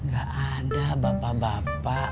gak ada bapak bapak